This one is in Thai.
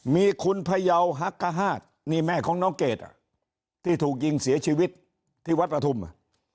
มีคุณพยาวฮักกฮาตนี่แม่ของน้องเกดที่ถูกยิงเสียชีวิตที่วัดประทุม